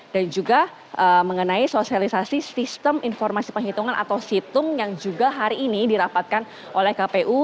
juga mengenai sosialisasi sistem informasi penghitungan atau situng yang juga hari ini dirapatkan oleh kpu